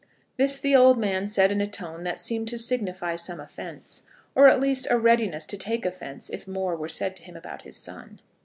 This the old man said in a tone that seemed to signify some offence, or at least a readiness to take offence if more were said to him about his son.